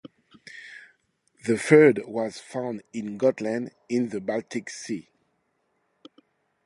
The third was found in Gotland, in the Baltic Sea.